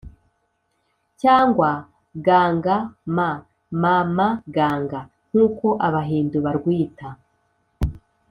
cyangwa ganga ma (mama ganga), nk’uko abahindu barwita